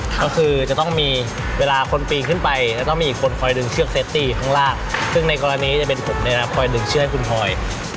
ก็คือจะต้องมีเวลาคนปีนขึ้นไปจะต้องมีอีกคนคอยดึงเชือกเซฟตี้ข้างล่างซึ่งในกรณีจะเป็นผมเนี่ยนะคอยดึงเชือกคุณพลอย